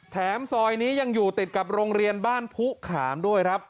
ซอยนี้ยังอยู่ติดกับโรงเรียนบ้านผู้ขามด้วยครับ